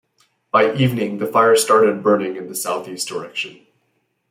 By evening, the fire started burning in a southeast direction.